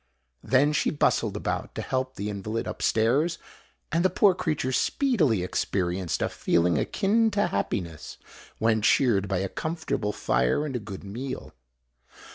Then she bustled about to help the invalid up stairs; and the poor creature speedily experienced a feeling akin to happiness, when cheered by a comfortable fire and a good meal.